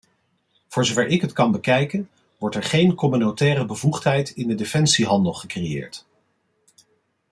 Zover ik het kan bekijken, wordt er geen communautaire bevoegdheid in de defensiehandel gecreëerd.